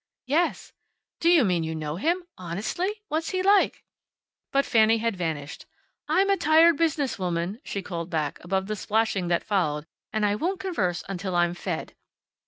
"Yes." "Do you mean you know him? Honestly? What's he like?" But Fanny had vanished. "I'm a tired business woman," she called, above the splashing that followed, "and I won't converse until I'm fed."